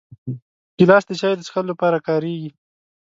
ګیلاس د چایو د څښلو لپاره کارېږي.